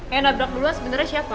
yang nabrak lo sebenernya siapa